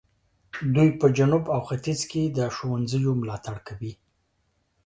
دوی په جنوب او ختیځ کې د ښوونځیو ملاتړ کوي.